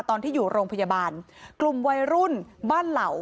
ตอนที่อยู่โรงพยาบาลกลุ่มวัยรุ่นบ้านเหล่า